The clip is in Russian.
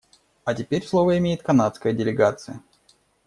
А теперь слово имеет канадская делегация.